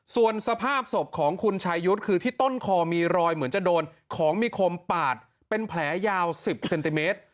ส่วนสภาพศพของคุณชายุทธ์คือที่ต้นคอมีรอยเหมือนจะโดนของมีคมปาดเป็นแผลยาว๑๐เซนติเมตร